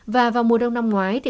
và vào mùa đông năm ngoái